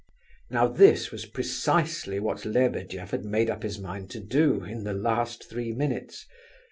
Now this was precisely what Lebedeff had made up his mind to do in the last three minutes.